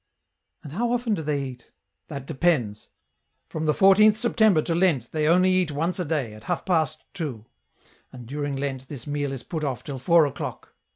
" And how often do they eat ?"" That depends. From the 14th September to Lent they only eat once a day, at half past two — and during Lent this meal is put off till four o'clock.